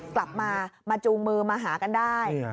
กลับมามาจูงมือมาหากันได้